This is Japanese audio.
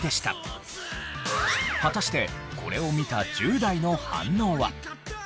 果たしてこれを見た１０代の反応は？